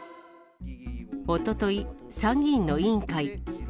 おととい、参議院の委員会。